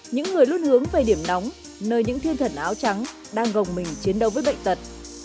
những người luôn hướng về điểm nóng nơi những thiên thần áo trắng đang gồng mình chiến đấu với bệnh tật